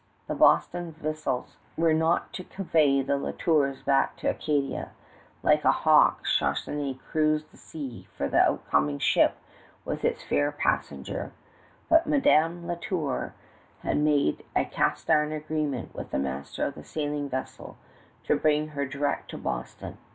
The Boston vessels were not to convey the La Tours back to Acadia. Like a hawk Charnisay cruised the sea for the outcoming ship with its fair passenger; but Madame La Tour had made a cast iron agreement with the master of the sailing vessel to bring her direct to Boston.